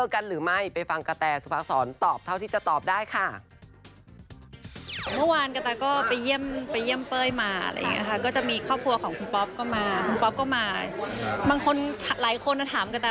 คุณเขาได้มีการขอบความเข้าใจกันไหมครับ